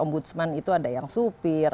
om budsman itu ada yang supir